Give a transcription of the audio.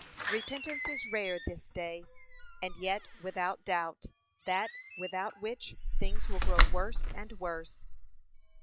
Repentance is rare this day, and yet without doubt, that without which, things will grow worse and worse.